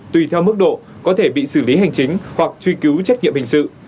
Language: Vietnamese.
tùy theo mức độ có thể bị xử lý hành chính hoặc truy cứu trách nhiệm hình sự